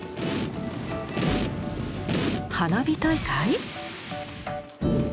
花火大会？